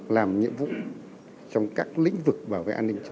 làm nhiệm vụ trong các lĩnh vực bảo vệ an ninh